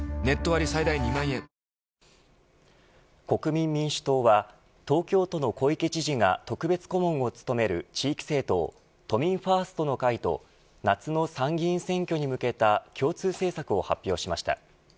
国民民主党は東京都の小池知事が特別顧問を務める地域政党、都民ファーストの会と夏の参議院選挙に向けた共通政策を発表しました。